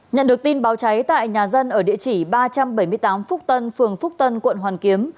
nhận được tin báo cháy tại nhà dân ở địa chỉ ba trăm bảy mươi tám phúc tân phường phúc tân quận hoàn kiếm